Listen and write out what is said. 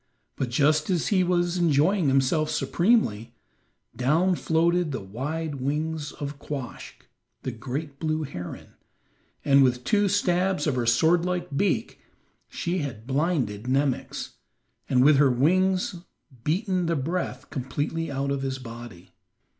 But just as he was enjoying himself supremely, down floated the wide wings of Quoskh, the great blue heron, and with two stabs of her sword like beak she had blinded Nemox, and with her wings beaten the breath completely out of his body.